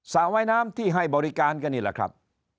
ระว่ายน้ำที่ให้บริการกันนี่แหละครับ